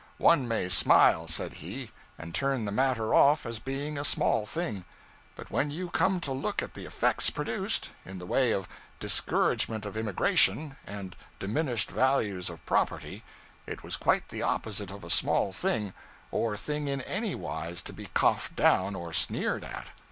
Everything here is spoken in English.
One may smile, said he, and turn the matter off as being a small thing; but when you come to look at the effects produced, in the way of discouragement of immigration, and diminished values of property, it was quite the opposite of a small thing, or thing in any wise to be coughed down or sneered at.